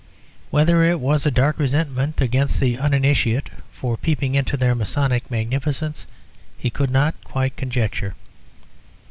Whether it was a dark resentment against the uninitiate for peeping into their masonic magnificence, he could not quite conjecture.